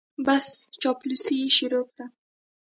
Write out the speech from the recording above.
بس چاپلوسي یې شروع کړه.